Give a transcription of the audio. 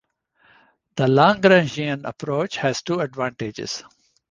The Lagrangian approach has two advantages.